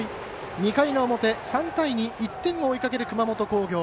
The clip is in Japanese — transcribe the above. ２回の表、３対２１点を追いかける熊本工業。